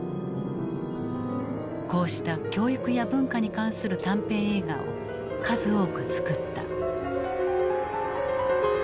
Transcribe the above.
こうした教育や文化に関する短編映画を数多く作った。